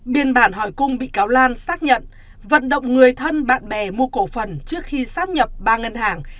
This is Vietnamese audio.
biên bản hỏi cung bị cáo lan xác nhận vận động người thân bạn bè mua cổ phần trước khi sắp nhập ba ngân hàng